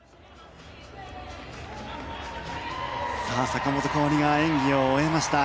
坂本花織が演技を終えました。